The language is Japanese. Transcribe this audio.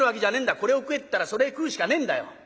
これを食えったらそれ食うしかねえんだよ。